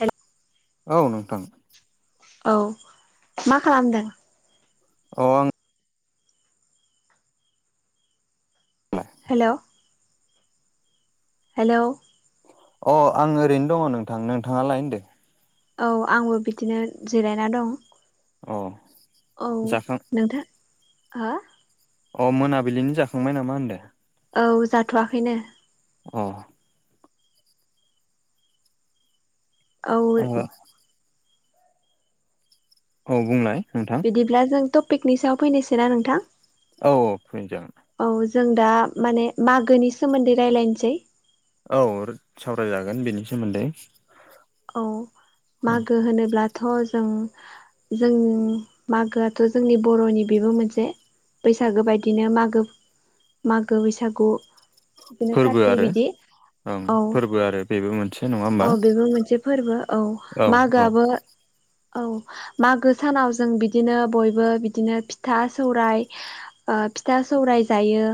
हेल'। औ नोंथां। औ मा खालामदों? अ आं। मा? हेल'। हेल'। अ आं ओरैनो दङ नोंथां नोंथाङा लाय होनदो? औ आंबो बिदिनो जिरायना दं। अ औ जाखां नोंथां हो। अ मोनाबिलिनि जाखांबाय नामा होनदों? औ जाथ'वाखैनो। अ। औ आंगा। औ बुंलनाय नोंथां? बिदिब्ला जों टपिकनि सायाव फैनोसै ना नोंथां? औ-औ फैजागोन। औ जों दा माने मागोनि सोमोन्दै रायज्लायनोसै। औ सावरायजागोन बिनि सोमोन्दै। औ औ मागो होनोब्लाथ' जों जों मागोआथ' जोंनि बर'नि बेबो मोनसे बैसागो बायदिनो मागो मागो बैसागु। बिदिनो खाथि बिदि औ। गु आरो बेबो मोनसे नङाहम औ बेबो मोनसे फोरबो औ औ मागोआबो। औ मागो सानाव जों बिदिनो बयबो बिदिनो फिथा सौराय ओ फिथा सौराय जायो।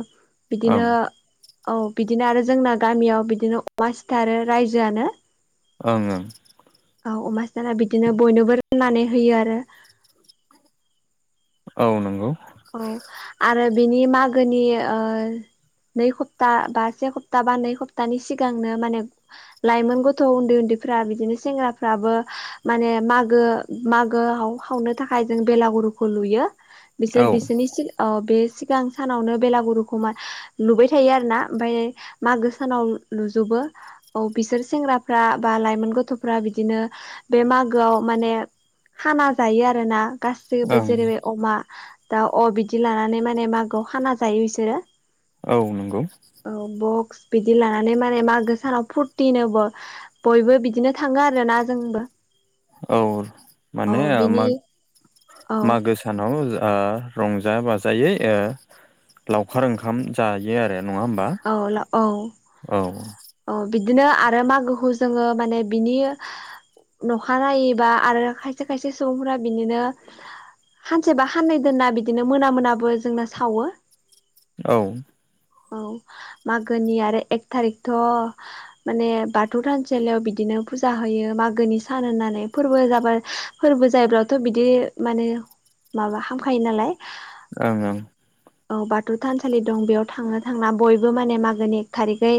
ओं बिदिनो औ बिदिनो आरो जोंना गामियाव बिदिनो अमा सिथारो रायजोआनो। ओं-ओं। औ अमा सिथारना बिदिनो बयनोबो राननानै होयो आरो। औ नंगौ। औ आरो बिनि मागोनि ओ नै हप्ता बा से हप्ता बा नै हप्तानि सिगांनो माने लाइमोन गथ' उन्दै उन्दैफ्रा बिदिनो सेंग्राफ्राबो माने मागो मागो हा हावनो थाखाय जों बेलागुरुखौ लुयो। औ सोर बिसोरनि अ सिगां सानावनो बेलागुरुखौ मा लुबाय थायो आरो ना। ओमफ्राय मागो सानाव ल-लुजोबो। औ बिसोर सेंग्राफ्रा बा लाइमोन गथ'फ्रा बिदिनो बे मागोआव माने खाना जायो आरो ना, गासिबो ओं जेरै बे अमा दा अ बिदि लानानै माने मागोआव खाना जायो बिसोरो। औ नंगौ। औ बक्स बिदि लानानै माने मागो सानाव फुरथिनो ब बयबो बिदिनो थाङो आरोना जोंबो ‌। औ माने आ बिनि औ माग-मागो सा सानाव ओ रंजा बाजायै ओ लावखार ओंखाम जायो आरो नङा होम औ लाव औ। औ बिदिनो आरो मागोखौ जोङो माने बिनि नखा नायोबा आरो खायसे खायसे सुबुंफोरा बिदिनो खानसेबा खाननै दोनना बिदिनो मोना मोनाबो जोंनो सावो। औ। औ मागोनि आरो एक थारिखथ' माने बाथौ थानसालियाव बिदिनो फुजा होयो मागोनि सान होननानै फोरबो जाबा फोरबो जायोब्लाथ' बिदि माने माबा हामखायो नालाय। ओं ओं। औ बाथौ थानसालि दं बेयाव थाङो थांना बयबो माने मागोनि एक थारिखयै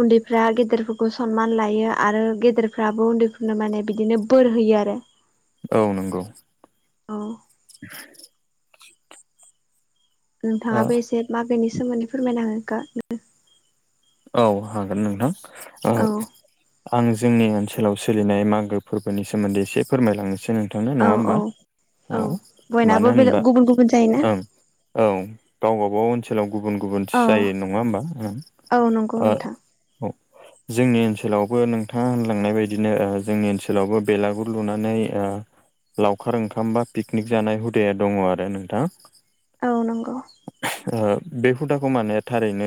उन्दैफ्रा गेदेरफोरखौ सनमान लायो आरो गेदेर फ्राबो उन्दैफोरनो माने बिदिनो बोर होयो आरो। औ नंगौ। औ। [inaudible] ओ नोंथाङाबो एसे मागैनि सोमोन्दै फोरमायना होगो [unintelligible] औ हागोन नोंथां। ओ औ आं जोंनि ओ नसोलाव सोलिनाय मागो फोरबोनि सोमोन्दै एसे फोरमायलांनोसै नोंथांनो औ नङा होमबा? औ औ बयनाबो मानो बेलेग होनबा गुबुन गुबुन जायोना ओं औ गावबा गाव ओनसोलाव गुबुन गुबुनथि अ जायो नङा होमबा ओं। औ नंगौ ओ नोंथां। औ। जोंनि ओनसोलावबो नोंथाङा होनलांनाय बायदिनो ओ जोंनि ओनसोलावबो बेलागुर लुनानै ओ लावखार ओंखाम बा पिकनिक जानाय हुदाया दङ आरो नोंथां। औ नंगौ। [inaudible] ओ बे हुदाखौ माने थारैनो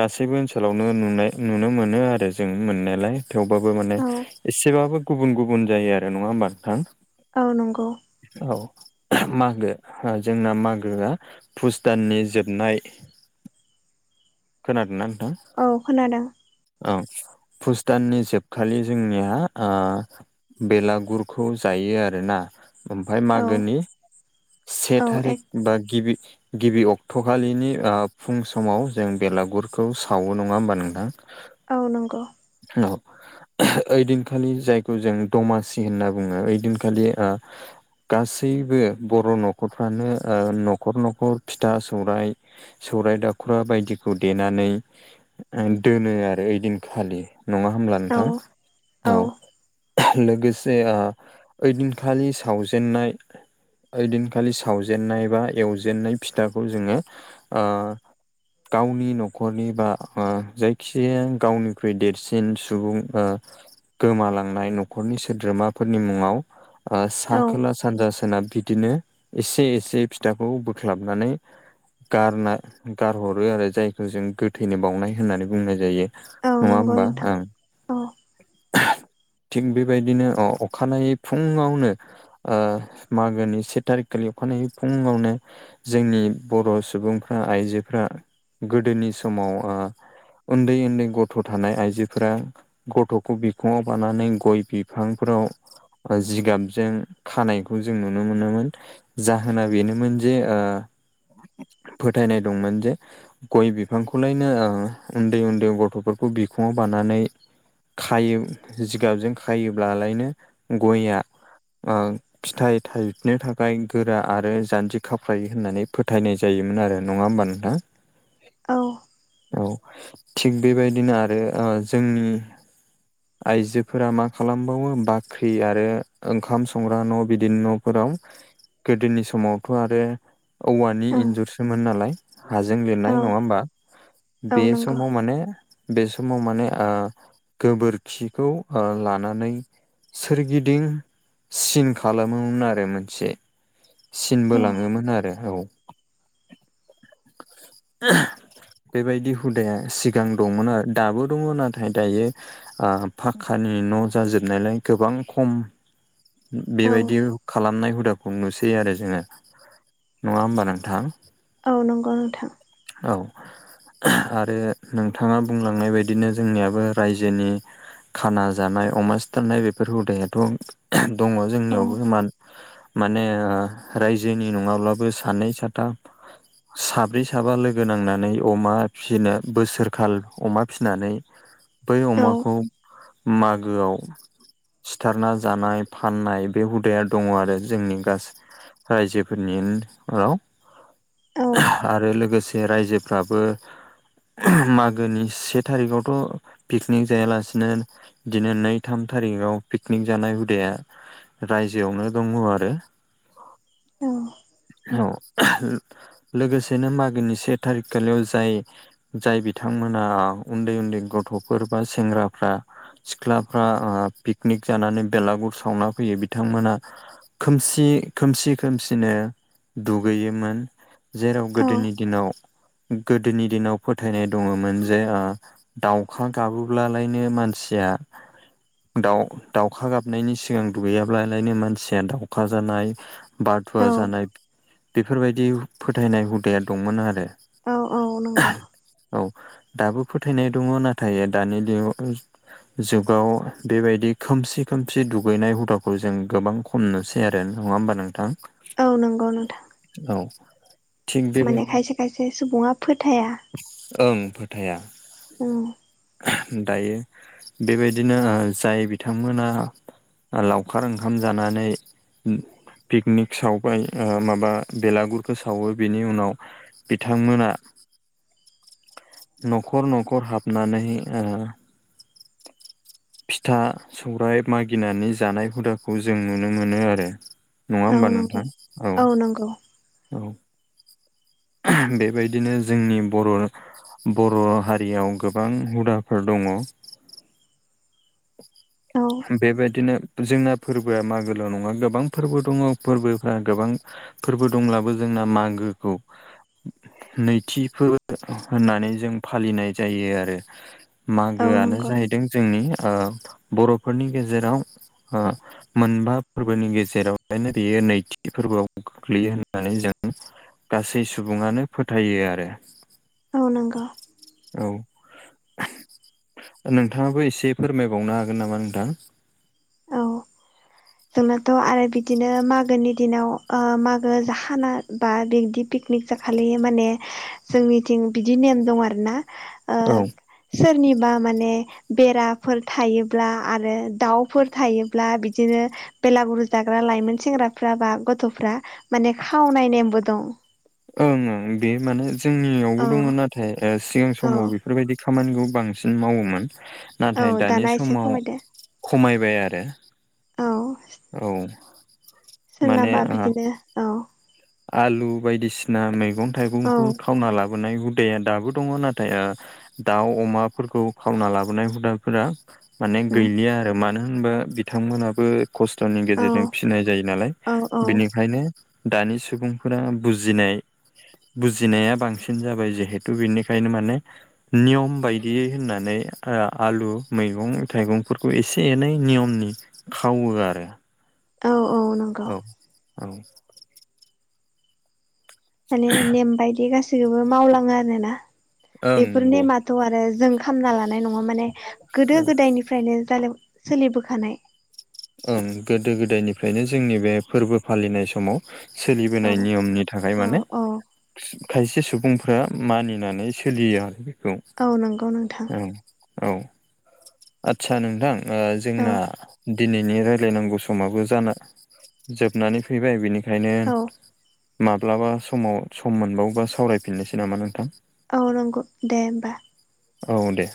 गासैबो ओनसोल लावनो नुनाय नुनो मोनो आरो जों मोननायालाय, थेवबाबो माने औ एसेबाबो गुबुन गुबुन जायो आरो नङा होमबा नोंथां। औ नंगौ। औ मागो जोंना मागोआ पुस दाननि जोबनाय खोनादोंना नोंथां? औ खोनादों। औ हुस दाननि जोबखालि जोंनिया ओ बेलागुरखौ जायो आरोना। ओमफ्राय औ मागोनि से औ ए थारिख बा गिबि गिबि अक्ट'खालिनि ओ फुं समाव जों बेलागुरखौ सावो नङा होमबा नोंथां? औ नंगौ। [unintelligible] [inaudible] ओइदिनखालि जायखौ जों दमासि होनना बुङो ओइदिनखालि ओ गासैबो बर' न'खरफ्रानो ओ न'खर न'खर फिथा सौराय सौराय दाखुरा बायदिखौ देनानै ओ दोनो आरो ओइदिनखालि। नङा होब्ला औ नोंथां औ। [unintelligible] लोगोसे ओ ओइदिनखालि सावजेननाय ओइदिनखालि सावजेनन्नाय बा एवजेननाय फिथाखौ जोङो ओ गावनि न'खरनि बा ओ जायखिजाया गावनिख्रुइ देरसिन सुबुं ओ गोमालांनाय न'खरनि सोद्रोमाफोरनि मुङाव ओ सा औ खोला सानजा सोनाब बिदिनो एसे एसे फिथाखौ बोख्लाबनानै गारना गारहरो आरो जायखौ जों गोथैनो बावनाय होननानै बुंनाय जायो। औ नङा नंगौ होमबा नोंथां ओं औ। थिग बेबायदिनो अ अखानायै फुङावनो ओ मागोनि से तारिकखालि अखानायै फुङावनो जोंनि बर' सुबुंफ्रा आइजोफ्रा गोदोनि समाव ओ उन्दै उन्दै गथ' थानाय आइजोफोरा गथ'खौ बिखुङाव बानानै गय बिफांफोराव जिगाबजों खानायखौ जों नुनो मोनोमोन। जाहोना बेनोमोन जे ओ फोथायनाय दंमोन जे गय बिफांखौलायनो ओ उन्दै उन्दै गथ'फोरखौ बिखुङाव बानानै खायो जिगाबजों खायोब्लालायनो गयआ ओ फिथाइ थाइनो थाखाय गोरा आरो जान्जि खाफ्रायो होननानै फोथायनाय जायोमोन आरो। नङा होमबा नोंथां? औ। औ थिग बेबायदिनो आरो ओ जोंनि [inaudible] आइजोफोरा मा खालामबावो बाख्रि आरो ओंखाम संग्रा न' बिदिनो न'फोराव गोदोनि समावथ' आरो औवानि औ इन्जुरसोमोन नालाय हाजों लिरनाय औ नङा होमबा? बे औ नंगौ समाव माने बे समाव माने ओ गोबोरखिखौ ओ लानानै सोरगिदिं सिन खालामोमोन आरो मोनसे। सिन औ बोलाङोमोन आरो औ। [inaudible] बेबायदि हुदाया सिगां दंमोन आरो दाबो दङ नाथाय दायो पाक्कानि न' जाजोबनायलाय गोबां खम औ बेबायदि खालामनाय हुदाखौ नुसै आरो जोङो नङा होमबा नोंथां? औ नंगौ नोंथां। औ आरो नोंथाङा बुंलांनाय बायदिनो जोंनियाबो रायजोनि खाना जानाय अमा सिथारनाय बेफोर हुदायाथ' दङ औ जोंनियावबो मान माने ओ रायजोनि नङाब्लाबो सानै साथाम साब्रै साबा लोगो नांनानै अमा फिनो बोसोरखाल अमा फिनानै बै औ अमाखौ मागोआव सिथारना जानाय फाननाय बे हुदाया दङ आरो जोंनि गासै रायजोफोरनिन आव। औ आरो लोगोसे रायजोफ्राबो मागोनि से तारिकआवथ' पिकनिक जायालासिनो दिनो नै थाम तारिकाव पिकनिक जानाय हुदाया रायजोआवनो दङ आरो। औ। औ। लोगोसेनो मागोनि से थारिख खालियाव जाय जाय बिथांमोना उन्दै उन्दै गथ'फोर बा सेंग्राफ्रा सिख्लाफ्रा ओ पिकनिक जानानै बेलागुर सावना फैयो बिथांमोना खोमसि खोमसि खोमसिनो दुगैयोमोन। जेराव औ गोदोनि दिनाव गोदोनि दिनाव फोथायनाय दङमोन जे अ दाउखा गाबोब्लालायनो मानसिया दाउ दावखा गाबनायनि सिगां दुगैयाब्लालायनो मानसिया दाउखा जानाय औ बाधुवा जानाय बेफोरबायदि फोथायनाय हुदाया दंमोन आरो औ औ नंगौ औ दाबो फोथायनाय दङ नाथाय दानि दिनाव जुगाव बेबायदि खोमसि खोमसि दुगैनाय हुदाखौ जों गोबां खम नुसै आरो नङा होमबा नोंथां? औ नंगौ नोंथां। औ थिग माने बेबायदि खायसे खायसे सुबुङा फोथाया ओं फोथाया औ दायो बेबायदिनो ओ जाय बिथांमोना लावखार ओंखाम जानानै पिकनिक सावबाय ओ माबा बेलागुरि फोसावो बिनि उनाव बिथांमोना न'खर न'खर हाबनानै ओ [inaudible] फिथा सौरायाइ मागिनानै जानाय हुदाखौ जों नुनो मोनो आरो नङा होमबा नोंथां औ नांगौ औ [inaudible] बेबायदिनो जोंनि बर' बर' हारियाव गोबां हुदाफोर दङ [unintelligible] औ बेबायदिनो जोंना फोरबोआ मागलाव नङा गोबां फोरबो दङ फोरबोफ्रा गोबां फोरबो दंब्लाबो जोंना मागोखौ नैथिफोर होननानै जों फालिनाय जायो आरो औ मागोआनो नंगौ जाहैदों जोंनि ओ बर'फोरनि गेजेराव ओ मोनबा फोरबोनि गेजेरावहायनो बेयो नैथि फोरबोआव गोग्लैयो होननानै जों गासै सुबुङानो फोथायो आरो औ नंगौ औ नोंथाङाबो एसे फोरमायबावनो हागोन नामा नोंथां औ जोंनाथ' आरो बिदिनो मागोनि दिनाव ओ मागो जा खाना बा बिदि पिकनिक जाखालै माने जोंनिथिं बिदि नेम दं आरोना ओ औ सोरनिबा माने बेराफोर थायोब्ला आरो दाउफोर थायोब्ला बिदिनो बेलागुरु जाग्रा लाइमोन सेंग्राफ्रा बा गथ'फ्रा माने खावनाय नेमबो दं। ओं ओं बे माने औ जोंनियावबो दङ नाथाय ओ सिगां औ समाव बेफोरबायदि खामानिखौ बांसिन मावोमोन औ नाथाय दानि दाना एसे समाव खमायदो खमायबाय आरो औ औ माने सोरनाबा ओ बिदिनो औ आलु बायदिसिना मैगं औ थाइगंखौ खावना लाबोनाय हुदाया दाबो दङ नाथाय दाउ अमाफोरखौ खावना लाबोनाय हुदाफोरा माने गैलिया आरो मानो होनबा बिथांमोनाबो खस्थ'नि गेजेरजों फिसिनाय जायो नालाय औ बेनिखायनो दानि सुबुंफोरा बुजिनाय बुजिनाया बांसिन जाबाय जिहेथु बेनिखायनो माने नियम बायदियै होननानै आलु मैगं थाइगंफोरखौ एसे एनै नियमनि खावो आरो औ औ नं औ औ माने नेम बायदि गासैखौबो मावलाङो आरोना ओं बेफोर नंगौ ने माथ' आरो जों खामना लानाय नङा माने औ गोदो गोदायनिफ्राय फ्रायनो जादों सोलिबोखानाय ओं गोदो गोदायनिफ्रायनो जोंनि बे फोरबो फालिनाय समाव औ सोलिबोनाय नियमनि थाखाय औ माने औ खायसे सुबुंफ्रा मानिनानै सोलियो बेखौ औ नंगौ नोंथां औ औ आदसा नोंथां औ जोंना दिनैनि रायलायनांगौ समाबो जाना जोबनानै फैबाय बेनिखायनो औ माब्लाबा समाव सम मोनबावोबा सावरायफिननोसै नामा नोंथां औ नंगौ दे होमबा औ दे